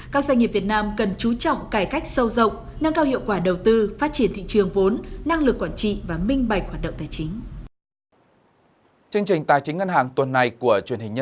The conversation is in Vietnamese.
các doanh nghiệp việt nam cần chú trọng cải cách sâu rộng nâng cao hiệu quả đầu tư phát triển thị trường vốn năng lực quản trị và minh bạch hoạt động tài chính